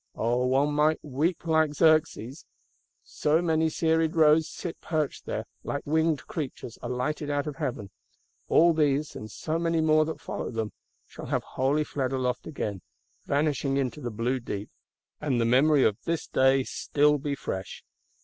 Oh, one might weep like Xerxes:—So many serried rows sit perched there; like winged creatures, alighted out of Heaven: all these, and so many more that follow them, shall have wholly fled aloft again, vanishing into the blue Deep; and the memory of this day still be fresh.